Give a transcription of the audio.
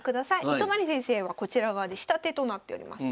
糸谷先生はこちら側で下手となっております。